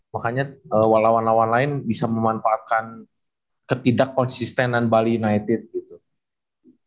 makanya walawan lawan lain bisa memanfaatkan ketidak konsistenan bali united gitu